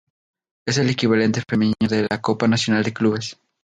Es el equivalente femenino de la Copa Nacional de Clubes.